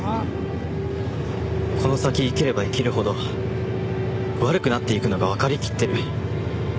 この先生きれば生きるほど悪くなっていくのがわかりきってる。